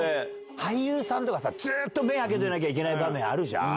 俳優さんとかさ、ずっと目開けてなきゃいけない場面あるじゃん？